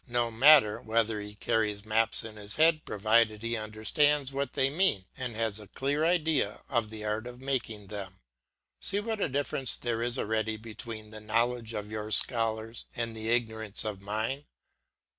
No matter whether he carries maps in his head provided he understands what they mean, and has a clear idea of the art of making them. See what a difference there is already between the knowledge of your scholars and the ignorance of mine.